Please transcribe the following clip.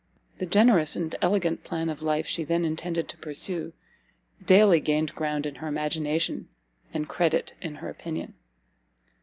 The generous and elegant plan of life she then intended to pursue, daily gained ground in her imagination, and credit in her opinion.